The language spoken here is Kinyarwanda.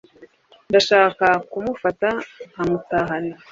Ndashaka kumufata nkamutahana